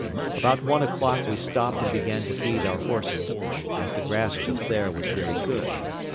About one o'clock we stopped and began to feed our horses, as the grass just there was very good.